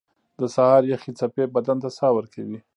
• د سهار یخې څپې بدن ته ساه ورکوي.